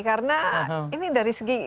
karena ini dari segi